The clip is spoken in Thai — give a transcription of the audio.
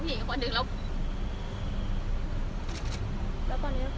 มันก็มีปัญหาของเราแห่งกันจากการโพสต์เฟสบุ๊คอ่ะค่ะ